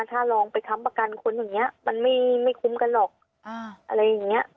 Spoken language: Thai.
ถ้าลองไปค้ำประกันคนอย่างนี้มันไม่คุ้มกันหรอกอะไรอย่างนี้